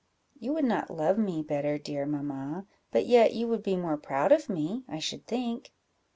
"You would not love me better, dear mamma, but yet you would be more proud of me, I should think."